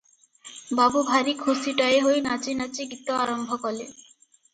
ବାବୁ ଭାରି ଖୁସିଟାଏ ହୋଇ ନାଚି ନାଚି ଗୀତ ଆରମ୍ଭ କଲେ ।